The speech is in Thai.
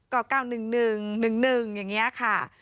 ก็๙๑๑๑๑๑อย่างนี้ค่ะ